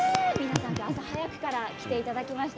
朝早くから来ていただきました。